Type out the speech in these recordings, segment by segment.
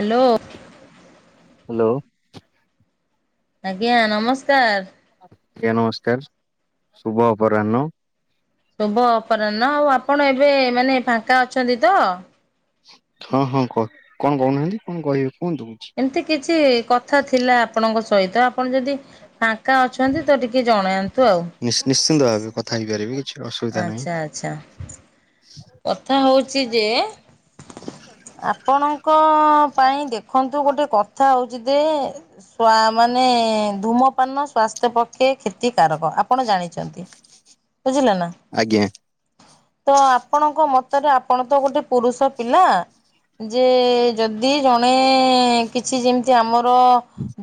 Hello. Hello. ଆଜ୍ଞା ନମସ୍କାର୍। ଆଜ୍ଞା ନମସ୍କାର ଶୁଭ ଅପରାହ୍ନ। ଶୁଭ ଅପରାହ୍ନ ଆଉ ଆପଣ ଏବେ ମାନେ ଫାଙ୍କା ଅଛନ୍ତି ତ। ହଁ ହଁ କୁହ କଣ କହୁନାହାନ୍ତି କଣ କହିବେ କୁହନ୍ତୁ। ଏମିତି କିଛି କଥା ଥିଲା ଆପଣଙ୍କ ସହିତ ଆପଣ ଯଦି ଫାଙ୍କା ଅଛନ୍ତି ତ ଟିକେ ଜଣାନ୍ତୁ ଆଉ। ନିସ୍ ନିଶ୍ଚିନ୍ତ ଭାବେ କଥା ହେଇ ପାରିବି। ଆଚ୍ଛା ଆଚ୍ଛା। କଥା ହୋଉଚି ଯେ ଆପଣଙ୍କ ପାଇଁ ଦେଖନ୍ତୁ ଗୋଟେ କଥା ହଉଚି ଦେ ଛୁଆ ମାନେ ଧୂମପାନ ସ୍ୱାସ୍ଥ୍ୟ ପ୍ରତି ଖେ ତିକାରକ ଆପଣ ଜାଣିଚନ୍ତି ବୁଝିଲେ ନା। ଆଜ୍ଞା। ତ ଆପଣଙ୍କ ମତରେ ଆପଣ ତ ଗୋଟେ ପୁରୁଷ ପିଲା ଯେ ଯଦି ଜଣେ କିଛି ଯେମିତି ଆମର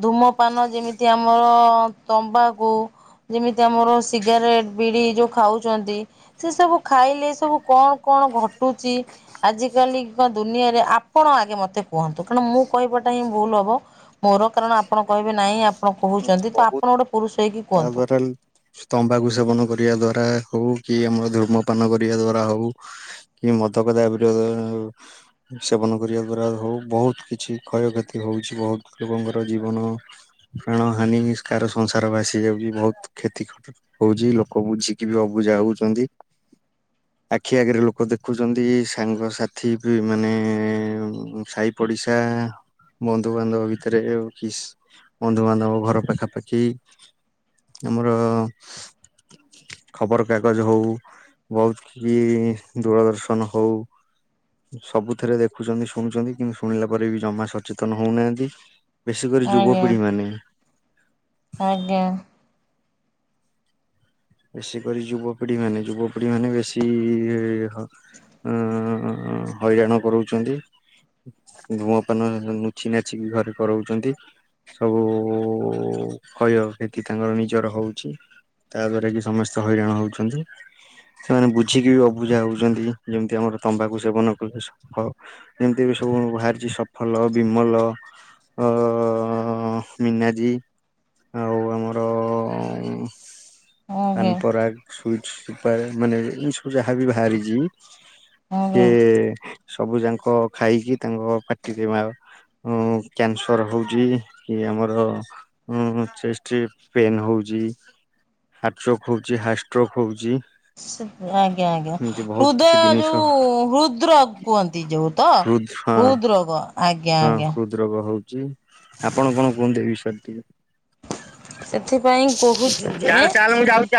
ଧୂମ ପାନ ଯେମିତି ଆମର ତମ୍ବାକୁ ଯେମିତି ଆମର ସିଗାରେଟ ବିଡି ଯୋଉ ଖାଉଚନ୍ତି ସେ ସବୁ ଖାଇଲେ ସବୁ କଣ କଣ ଘଟୁଚି ଆଜିକାଲି କା ଦୁନିଆରେ ଆ କଣ ଆଗେ ମତେ କୁହନ୍ତୁ କାରଣ ମୁଁ କହିବାଟା ହିଁ ଭୁଲ ହବ ମୋର କାରଣ ଆପ୍ ଆପଣ କହିବେ ନାଇଁ ଆପଣ କହୁଛନ୍ତି ତ ବହୁତ ଆପଣ ଗୋଟେ ପୁରୁଷ ହେଇକି କୁହନ୍ତୁ। [unintelligible] ତମ୍ବାକୁ ସେବନ କରିବା ଦ୍ଵାରା ହୋଉ କି ଆମର ଧୂର୍ମପାନ କରିବା ଦ୍ଵାରା ହୋଉ କି [unintelligible] ସେବନ କରିବା ଦ୍ଵାରା ହୋଉ ବୋହୁତ କିଛି କ୍ଷୟକ୍ଷତି ହୋଉଛି। ବୋହୁତ ଲୋକଙ୍କର ଜୀବନ ପ୍ରାଣ ହାନି କାହାର ସଂସାର ଭାସି ଯାଉଛି ବୋହୁତ କ୍ଷତି ଖ ହଉଛି ଲୋକ ବୁଝିକି ବି ଅବୁଝା ହୋଉଛନ୍ତି। [inaudible] ଆଖି ଆଗରେ ଲୋକ ଦେଖୁଛନ୍ତି ସାଙ୍ଗସାଥି ବି ମାନେ ସାଇ ପଡିଶା ବନ୍ଧୁବାନ୍ଧବ ଭିତରେ ୟେ କିସ୍ ବନ୍ଧୁବାନ୍ଧବ ଘର ପାଖାପାଖି ଆମର ଖବରକାଗଜ ହଉ ବହୁତ କି ଦୂରଦର୍ଶନ ହଉ ସବୁଥିରେ ଦେଖୁଛନ୍ତି ଶୁଣୁଛନ୍ତି କିନ୍ତୁ ଶୁଣିଲା ପରେ ବି ଜମା ସଚେତନ ହୋଉନାହାନ୍ତି। ବେଶୀ କରି ଆଜ୍ଞା ଯୁବପିଢ଼ିମାନେ। ଆଜ୍ଞା। ବେଶୀ କରି ଯୁବପିଢି ମାନେ ଯୁବପିଢି ମାନେ ବେଶି ଏ ଉଁ ହଇରାଣ କରଉଛନ୍ତି। ଧୂମପାନ ଲୁଛି ନାଚିକି ଘରେ କରଉଚନ୍ତି। ସବୁ କ୍ଷୟକ୍ଷତି ତାଙ୍କର ନିଜର ହଉଛି ତାପରେ କି ସମସ୍ତେ ହଇରାଣ ହଉଛନ୍ତି। ସେମାନେ ବୁଝିକି ବି ଅବୁଝା ହଉଛନ୍ତି ଯେମିତି ଆମର ତମ୍ବାଖୁ ସେବନ କଲେ [unintelligible] ଯେମିତି ବି ସବୁ ବାହାରିଛି ସଫଲ ବିମଲ ଅ ମିନାଜୀ ଆଉ ଆମର ଆଜ୍ଞା ପାନପରାଗ ସୁଇଟି ସୁପାରି ମାନେ ଏ ସବୁ ଯାହାବି ବାହାରିଛିି ସିଏ ଆଜ୍ଞା। ସବୁ ଯାଙ୍କ ଖାଇକି ତାଙ୍କ ପାଟିରେ ମାର ଉଁ କ୍ୟାନସର ହଉଚି କି ଆମର ହୁଁ ହୁଁ ଚେଷ୍ଟରେ ପେନ୍ ହଉଚି। ହାର୍ଟ ଚୋକ୍ ହୋଉଚି ହାର୍ ଷ୍ଟ୍ରକ୍ ହୋଉଚି। ସେ ଆଜ୍ଞା ଆଜ୍ଞା ହୃଦୟ କିଛି ଜିନିଷ ଯୋଉ ହୃଦ୍ର କୁହନ୍ତି ଯୋଉ ତ? ହୃଦ୍ ହଁ ହୁଦ୍ ରୋଗ। ହଁ ହୃଦ ରୋଗ ହଉଛି ଆପଣ କଣ କୁହନ୍ତୁ ଏ ବିଷୟରେ ଟିକେ। ସେଥିପାଇଁ କହୁଛି ଯେ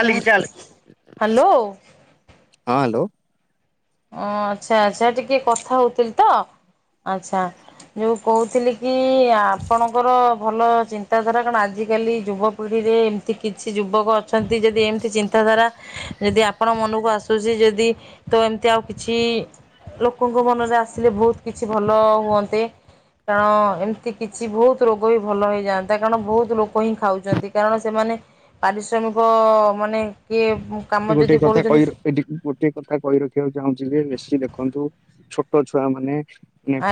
ହ୍ୟାଲୋ ହଁ ହ୍ୟାଲୋ। ଓ ଆଚ୍ଛା ଆଚ୍ଛା ଟିକେ କଥା ହଉଥିଲି ତ ଆଚ୍ଛା। ଯୋଉ ମୁଁ କହୁଥିଲି କି ଆପଣଙ୍କର ଭଲ ଚିନ୍ତାଧାରା କଣ ଆଜିକାଲି ଯୁବ ପିଢ଼ି ରେ ଏମିତି କିଛି ଯୁବକ ଅଛନ୍ତି ଯଦି ଏମିତି ଚିନ୍ତାଧାରା ଯଦି ଆପଣ ମନକୁ ଆସ ସୁଚି ଯଦି ତ ଏମ୍ ତି ଆଉ କିଛି ଲୋକଙ୍କ ମନରେ ଆସିଲେ ବହୁତ କିଛି ଭଲ ହୁଅନ୍ତେ। କାରଣ ଏମତି କିଛି ବହୁତ ରୋଗ ବି ଭଲ ହେଇଯାଆନ୍ତା। କାରଣ ବହୁତ ଲୋକ ହିଁ ଖାଉଛନ୍ତି। କାରଣ ସେମାନେ ପାରିଶ୍ରମିକ ମାନେ କିଏ କାମ ଏଠି ଯଦି ଗୋଟିଏ କଥା କରୁଛନ୍ତି କହି [unintelligible] ଏଠି ଗୋଟିଏ କଥା କହି ରଖିବାକୁ ଚାହୁଁଛି ଯେ ବେଶୀ ଦେଖନ୍ତୁ ଛୋଟ ଛୁଆ ମାନେ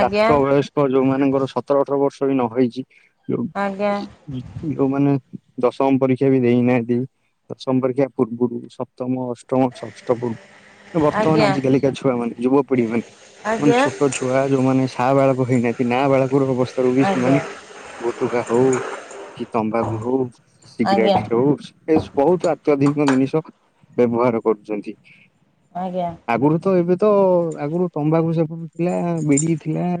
ଆଜ୍ଞା ବୟସ୍କ ଯୋଉ ମାନଙ୍କର ସତର ଅଠର ବର୍ଷ ବି ନ ହେଇଚି ଯୋଉ ଆଜ୍ଞା। ଯୋଉମାନେ ଦଶମ ପରୀକ୍ଷା ବି ଦେଇନାହାନ୍ତି, ଦଶମ ପରୀକ୍ଷା ପୂର୍ବୁରୁ ସ ସପ୍ତମ ଅ ଷ୍ଟମ ଷଷ୍ଠ ପୁ ବର୍ତ୍ତମାନ ଆଜ୍ଞା ଆଜିକାଲିକା ଛୁଆ ମାନେ ଯୁବପିଢି ମାନେ ମାନେ ଆଜ୍ଞା ଛୋଟ ଛୁ ଛୁଆ ଯୋଉମାନେ ସାବାଳକ ହେଇନାହାନ୍ତି ନାବାଳକ ରୁ ଅବସ୍ଥା ରୁ ବି ଆଜ୍ଞା ସେମାନେ ଗୁଟୁକା ହଉ କି ତମ୍ବାଖୁ ହଉ ଆଜ୍ଞା ସିଗରେଟ୍ ହଉ ଏସ୍ ବହୁତ୍। [unintelligible] ବ୍ୟବହାର କରୁଚନ୍ତି। ଆଜ୍ଞା। ଆଗରୁ ତ ଏବେ ତ ଆଗରୁ ତମ୍ବାଖୁ ସେପଟେ ଥିଲା ବିଡି ଥିଲା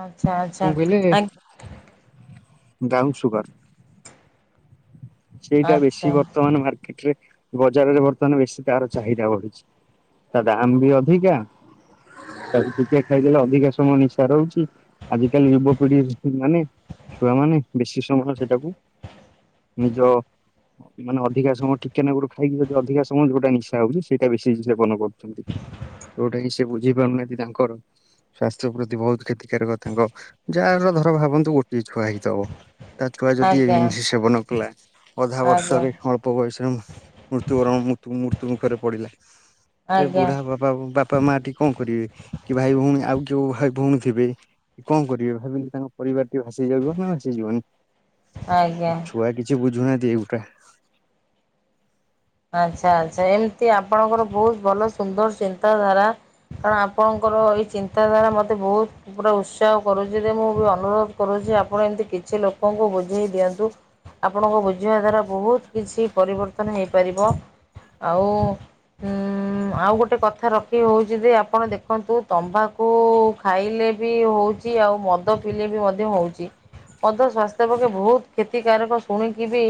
ଆଚ୍ଛା କଣ ଆଚ୍ଛା କହିଲେ ଆଜ୍ଞ ବ୍ରାଉନ ସୁୁଗାର। ସେଇଟା ବେଶୀ ଆଚ୍ଛା ବର୍ତ୍ତମାନ ମାର୍କେଟ ରେ ବଜାରରେ ବର୍ତ୍ତମାନ ବେଶୀ ତାର ଚାହିଦା ବଢିଚି। ତା ଦାମ୍ ବି ଅଧିକା ତାକୁ ଟିକେ ଖାଇଦେଲେ ଅଧିକା ସମୟ ନିଶା ରହୁଚି। ଆଜିିକାଲି ଯୁବପିଢି ମାନେ ଛୁଆମାନେ ବେଶୀ ସମୟ ସେଇଟାକୁ ନିଜ ମାନେ ଅଧିକା ସମୟ ଟିକେ ନାକୁରୁ ଖାଇକି ଯଦି ଅଧିକା ସମୟ ଯୋଉଟା ନିଶା ହଉଚି ସେଇଟା ବେଶୀ ସେବନ କରୁ ଚନ୍ତି। ଯୋଉଟା କି ସେ ବୁଝି ପାରୁନାହାନ୍ତି ତାଙ୍କର ସ୍ୱାସ୍ଥ୍ୟ ପ୍ରତି ବହୁତ କ୍ଷତିକାରକ। ତାଙ୍କ ଯାହାର ଧର ଭାବନ୍ତୁ ଗୋଟିଏ ଛୁଆ ହେଇଥବ ତା ଛୁଆ ଆଜ୍ଞା ଯଦି ଆଚ୍ଛା [unintelligible] ସେବନ କଲା ଅଧା ଆଜ୍ଞା ବର୍ଷରେ ଅଳ୍ପ ବୟସରେ ମୃତ୍ୟୁବରଣ ମୃତ୍ୟୁ ମୁଖରେ ପଡିଲା, ସେ ବୁଢା ଆଜ୍ଞା ବା ପା ବାପା ମା ଏଠି କଣ କରିବେ। କି ଭାଇ ଭଉଣୀ ଆଉ କୋଉ ଭାଇ ଭଉଣୀ ଥିବେ କଣ କରିବେ। ଭାବିଲେ ତାଙ୍କ ପରିବାର ଟି ଭାସିଯିବ ନା ଭାସିଯିବନି। ଆଜ୍ଞା। ଛୁଆ କିଛି ବୁଝୁନାହାନ୍ତି ଏଗୁଟା। ଆଚ୍ଛା ଆଚ୍ଛା। ଏମତି ଆପଣଙ୍କର ବହୁତ ଭଲ ସୁନ୍ଦର ଚିନ୍ତାଧାରା। କାରଣ ଆପଣଙ୍କର ଏଇ ଚିନ୍ତାଧାରା ମତେ ବହୁତ୍ ପୁରା ଉତ୍ସାହ କରୁଚି ଯେ ମୁଁ ବି ଅନୁରୋଧ କରୁଚି ଆପଣ ଏମିତି କିଛି ଲୋକଙ୍କୁ ବୁଝେଇ ଦିଅନ୍ତୁ। ଆପଣଙ୍କ ବୁଝେଇବା ଦ୍ୱାରା ବହୁତ୍ କିଛି ପରିବର୍ତ୍ତନ ହେଇପାରିବ। ଆଉ ଉଁ ଆଉ ଗୋଟେ କଥା ରଖିବେ ହେଉଚି ଯଦି ଆପଣ ଦେଖନ୍ତୁ ତମ୍ବାକୁ ଖାଇଲେ ବି ହଉଚି ଆଉ ମଦ ପିଇଲେ ବି ମଧ୍ୟ ହଉଚି। ମଦ ସ୍ଵାସ୍ଥ୍ୟ ପକ୍ଷେ ବହୁତ କ୍ଷତିକାରକ ଶୁଣିକି ବି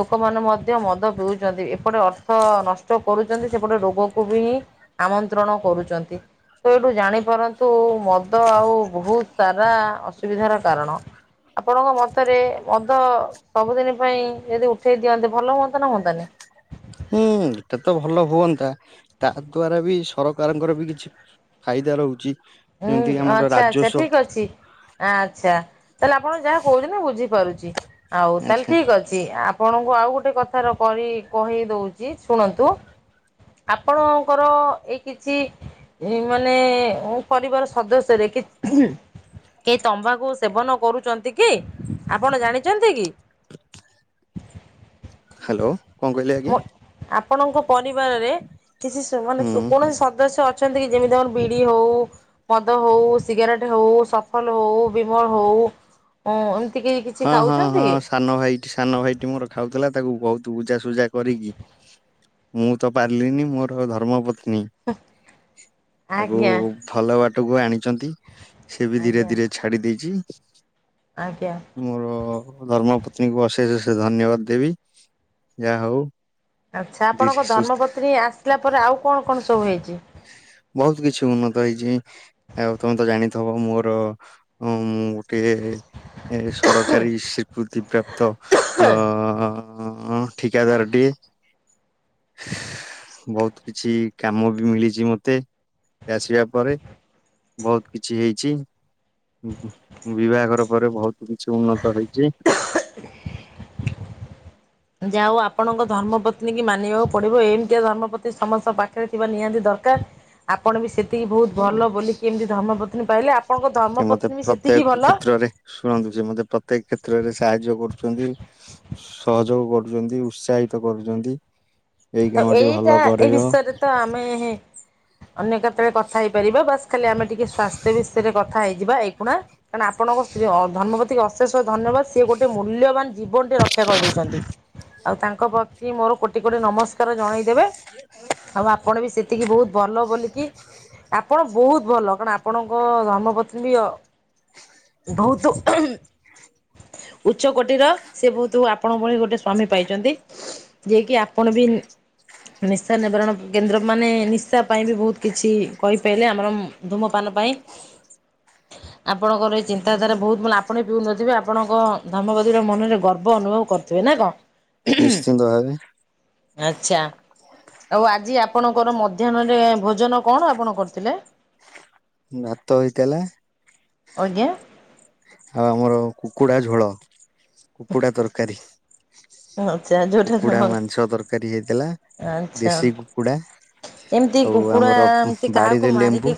ଲୋକମାନେ ମଧ୍ୟ ମଦ ପିଉ ଚନ୍ତି। ଏପଟେ ଅର୍ଥ ନଷ୍ଟ କରୁଛନ୍ତି ସେପଟେ ରୋଗକୁ ବି ଆମନ୍ତ୍ରଣ କରୁଚନ୍ତି। ତ ଏଇଠୁ ଜାଣିପାରନ୍ତୁ ମଦ ଆଉ ବହୁତ ସାରା ଅସୁବିଧାର କାରଣ। ଆପଣଙ୍କ ମତରେ ମଦ ସବୁଦିନ ପାଇଁ ଯଦି ଉଠେଇ ଦିଅନ୍ତେ ଭଲ ହୁଅନ୍ତା ନା ହୁଅନ୍ତାନି? ହୁଁ ଏଟା ତ ଭଲ ହୁଅନ୍ତା। ତା ଦ୍ଵାରା ବି ସରକାରଙ୍କର ବି କିଛି ଫାଇଦା ରହୁଚି। ହୁଁ ଆଚ୍ଛା ଆଚ୍ଛା ଠିକ ଅଛି। ଆଚ୍ଛା ତାହେଲେ ଆପଣ ଯାହା କୋହୁଚନ୍ତି ମୁଁ ବୁଝିପାରୁଚି ଆଉ ତାହେଲେ ଆଚ୍ଛା ଠିକ ଅ ଛି ଆପଣଙ୍କୁ ଆଉ ଗୋଟେ କଥାର କହି କହି ଦୋଉଚି ଶୁଣନ୍ତୁ ଆପଣଙ୍କର ଏଇ କିଛି ଇଁ ମାନେ ଓ ପରିବାର ସଦସ୍ୟରେ କି କି ଏ ତମ୍ବାକୁ ସେବନ କରୁଚନ୍ତି କି ଆପଣ ଜାଣିଚନ୍ତି କି? ହାଲୋ। ମୋ ଆପଣଙ୍କ ପରିବାରରେ କିଛି ସ ମାନେ ହୁଁ କ କୌଣସି ସ ଦସ୍ୟ ଅଛନ୍ତି କି ଯେମିତି ଆମର ବିଡି ହୋଉ ମଦ ହୋଉ ସିଗାରେଟେ ହୋଉ, ସଫଲ ହଉ, ବିମଳ ହୋଉ ଉଁ ଏମ ହଁ ହଁ ହଁ ସାନ ଭାଇଟି ସାନ ଭାଇଟି ମୋର ଖାଉଥୁଲା ତାକୁ ବୋହୁତ ବୁଝାସୁଝା କରିକି ମୁଁ ତ ପାରଲିନି ମୋର ଧର୍ମପତ୍ନୀ ତାକୁ ଆଜ୍ଞା ଭଲ ବାଟକୁ ଆଣିଚନ୍ତି ସିଏ ବି ଧୀରେ ଆଜ୍ଞା ଧୀରେ ଛା ଛାଡ଼ି ଦେଇଚି। ଆଜ୍ଞା। ମୋର ଧର୍ମ ପତ୍ନୀଙ୍କୁ ଅସେସ୍ ଅସେସ୍ ଧନ୍ୟବାଦ ଦେବି ଯାହୋଉ ଆଚ୍ଛା ଆପଣଙ୍କ ଧର୍ମପତ୍ନୀ ଆସିଲା ପରେ ଆଉ କଣ କଣ ସବୁ ହେଇଚି। ବୋହୁତ କିଛି ଉନ୍ନତ ହେଇଚି। ଆଉ ତମେ ତ ଜାଣିଥବ ମୋର ଅଁ ମୁଁ ଗୋଟିଏ ଏଁ ସ ସରକାରୀ ସ୍ୱୀକୃତି ପ୍ରାପ୍ତ ଅଁ ଠିକାଦାରଟିଏ। ବୋହୁତ କିଛି କାମ ବି ମିଳିଚି ମ ଏତେ ଆସିବା ପରେ ବୋହୁତ କିଛି ହେଇଚି। ବିବାଘର ପରେ ବୋହୁତ କିଛି ଉନ୍ନତ ହେଇଚି। [inaudible] ଯାହୋଉ ଆପଣଙ୍କ ଧର୍ମପତ୍ନୀଙ୍କି ମାନିବାକୁ ପଡ଼ିବ ଏମତିଆ ଧର୍ମପତ୍ନୀ ସମସ୍ତଙ୍କ ପାଖରେ ଥିବା ନିହାତି ଦରକାର। ଆପଣ ବି ସେତିକି ବୋହୁତ ଭଲ ବୋଲିକି ଏମତି ଧର୍ମପତ୍ନୀ ପାଇଲେ ଆପଣଙ୍କ ସେ ମତେ ଧର୍ମପତ୍ନୀ ବି ପ୍ରତ୍ୟେକ ସେତିକି ଭଲ। କ୍ଷେତ୍ରରେ ଶୁଣନ୍ତୁ ସେ ମତେ ପ୍ରତ୍ୟେକ କ୍ଷେତ୍ରରେ ସାହାଯ୍ୟ କରୁଚନ୍ତି। ସହଯୋଗ କରୁଚନ୍ତି ଉତ୍ସାହିତ କରୁଚନ୍ତି। ଆଉ ଏଇଟା ଏ ବିଷୟରେ ତ ଆମେ ହେ ଅନ୍ୟ କେତଳେ କଥା ହେଇପାରିବ ବାସ୍ ଖାଲି ଆମେ ଟିକେ ସ୍ୱାସ୍ଥ୍ୟ ବିଷୟରେ କଥା ହେଇଯିବା ଏଇଖୁଣା କାରଣ ଆପଣଙ୍କ ସ୍ତ୍ରୀ ଅ ଧର୍ମପତ୍ନୀକି ଅଶେଷ ଧନ୍ୟବାଦ ସିଏ ଗୋଟେ ମୂଲ୍ୟବାନ ଜୀବନଟେ ରକ୍ଷା କରିଦେଇଚନ୍ତି। ଆଉ ତାଙ୍କ ପ୍ରତି ମୋର କୋଟି କୋଟି ନମସ୍କାର ଜଣେଇଦେବେ ଆଉ ଆପଣ ବି ସେ ତିକି ବୋହୁତ ଭଲ ବୋଲିକି ଆପଣ ବୋହୁତ ଭଲ କାରଣ ଆପଣଙ୍କ ଧର୍ମପତ୍ନୀ ବି ଅ ବୋହୁତୁ ଉଚ୍ଚ କୋଟିର ସେ ବୋହୁତୁ ଆପଣ ଭଳି ଗୋଟେ ସ୍ଵାମୀ ପାଇଚନ୍ତି। ଯିଏ କିି ଆପଣ ବି ନିଶା ନିବାରଣ କେନ୍ଦ୍ର ମାନେ ନିଶା ପାଇଁ ବି ବୋହୁତ କିଛି କହିପାଇଲେ ଆମର ଧୂମପାନ ପାଇଁ। [inaudible] ଆପଣଙ୍କର ଏଇ ଚିନ୍ତାଧାରା ବୋହୁତ ମାନେ ଆପଣ ବି ଉନ୍ନତି ହେବେ ଆପଣଙ୍କ ଧର୍ମପତ୍ନୀର ମନରେ ଗର୍ବ ଅନୁଭବ କର ଥୁବେ ନା କଣ? ନିଶ୍ଚିନ୍ତ ଭାବେ। ଆଚ୍ଛା ଆଉ ଆଜି ଆପଣଙ୍କର ମଧ୍ୟାହ୍ନରେ ଭୋଜନ କଣ ଆପଣ କରିଥିଲେ? ଭାତ ହେଇଥିଲା ଆଜ୍ଞା। ଆଉ ଆମର କୁକୁଡ଼ା ଝୋଳ କୁକୁଡ଼ା ତରକାରୀ। ଆଚ୍ଛା ଯୋଉଟା ଖାଅ କୁକୁଡା ମାଂସ ତରକାରୀ ହେଇଥିଲା ଆଚ୍ଛା। ଦେଶୀ କୁକୁଡା ଏମିତି ଆଉ କୁକୁଡ଼ା ଆମର ଉଁହ୍ ଏମିତି କାହାକୁ ବାଡିରେ ମାରିକି ଲେମ୍ବୁ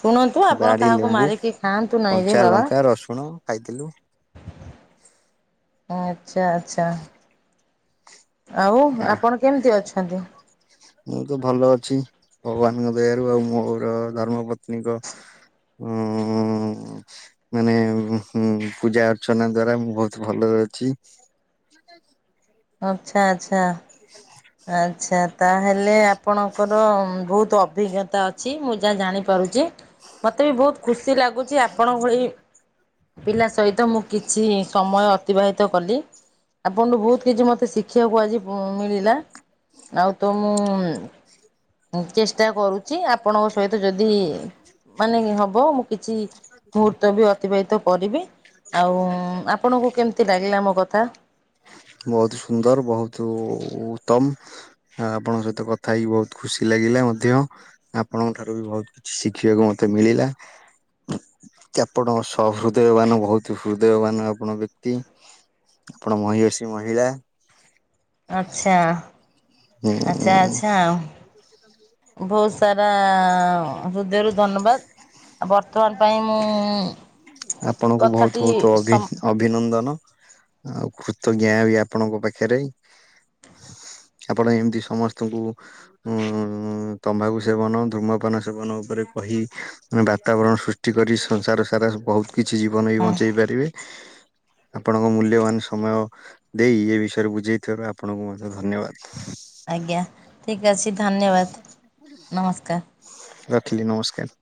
ଶୁଣନ୍ତୁ ଆପଣ ବାଡି କାହାକୁ ଲେମ୍ବୁ, ମାରିକି ଖାଆନ୍ତୁ ନାଇଁରେ କଞ୍ଚା ବାବା ଲଙ୍କା, ରସୁଣ ଖାଇଥିଲୁ। ଆଚ୍ଛା ଆଚ୍ଛା। ଆଉ ଆ ଆପଣ କେମିତି ଅଛନ୍ତି? ମୁଁ ତ ଭଲ ଅଛି ଭଗବାନଙ୍କ ଦୟାରୁ ଆଉ ମୋର ଧର୍ମ ପତ୍ନୀଙ୍କ ଉ ମାନେ ଉ ପୂଜା ଅର୍ଚ୍ଚନା ଦ୍ଵାରା ମୁଁ ବହୁତ ଭଲରେ ଅଛି। [unintelligible] ଆଚ୍ଛା ଆଚ୍ଛା। [unintelligible] ଆଚ୍ଛା ତାହେଲେ ଆପଣଙ୍କର ବହୁତ ଅଭିଜ୍ଞତା ଅ ଛି ମୁଁ ଯାହା ଜାଣିପାରୁଛି ମତେ ବି ବହୁତ ଖୁସି ଲାଗୁଛି ଆପଣଙ୍କ ଭଳି ପିଲା ସହିତ ମୁଁ କିଛି ସମୟ ଅତିବାହିତ କଲି। ଆପଣଠୁ ବହୁତ କିଛି ମତେ ଶିଖିବାକୁ ଆଜି ଉ -ମିଳିଲା। ଆଉ ତୋ ମୁଁ ଚେଷ୍ଟା କରୁଛି ଆପଣଙ୍କ ସହିତ ଯଦି ମାନେ ହବ ମୁଁ କିଛି ମୁହୂର୍ତ୍ତ ବି ଅତିବାହିତ କରିବି ଆଉ ଆପଣଙ୍କୁ କେମ ତି ଲାଗିଲା ମୋ କଥା। ବହୁତ ସୁନ୍ଦର ବହୁତ ଉତ୍ତମ। ଆ ଆପଣଙ୍କ ସହିତ କଥା ହେଇକି ବହୁତ ଖୁସି ଲାଗିଲା ମଧ୍ୟ ଆପଣଙ୍କ ଠାରୁ ବି ବହୁତ କିଛି ଶିଖିବାକୁ ମତେ ମିଳିଲା ଆପଣ ସହ ହୃଦୟବାନ ବହୁତ ହୃଦୟବାନ ଆପଣ ବ୍ୟକ୍ତି ଆପଣ ମହିଅସୀ ମହିଳା। ଆଚ୍ଛା ହୁଁ ଆଚ୍ଛା ଆଚ୍ଛା ଆଉ ବହୁତ ସାରା ହୃଦୟରୁ ଧନ୍ୟବାଦ ବର୍ତ୍ତମାନ ପାଇଁ ମୁଁ ଆପଣଙ୍କୁ ବହୁତ କଥାଟି ବହୁତ ଅଭି ସମ ଅଭିନନ୍ଦନ ଆଉ କୃତଜ୍ଞା ବି ଆପଣଙ୍କ ପାଖରେ ଆପଣ ଏମିତି ସମସ୍ତଙ୍କୁ ଉଁ ତମ୍ବାଖୁ ସେବନ ଧୂମପାନ ସେବନ ଉପରେ କହିମାନେ ବାତାବରଣ ସୃଷ୍ଟି କରି ସଂସାର ସାରା ବହୁତ କିଛି ଜୀବନ ବି ହଁ ବଞ୍ଚେଇ ପାରିବେ। [unintelligible] ଆପଣଙ୍କ ମୂଲ୍ୟବାନ ସମୟ ଦେଇ ଏ ବିଷୟରେ ବୁଝେଇଥିବାରୁ ଆପଣଙ୍କୁ ମଧ୍ୟ ଧନ୍ୟବାଦ। ଆଜ୍ଞା ଠିକ୍ ଅଛି ଧନ୍ୟବାଦ ନମସ୍କାର। ରଖିଲି ନମସ୍କାର।